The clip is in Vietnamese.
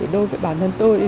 đối với bản thân tôi thì